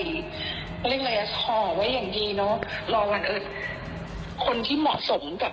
ได้ส่วนก็แขนยาวไม่พอด่ะ